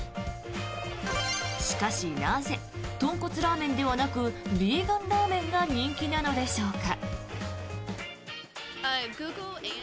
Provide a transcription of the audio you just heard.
しかしなぜ豚骨ラーメンではなくヴィーガンらあめんが人気なのでしょうか。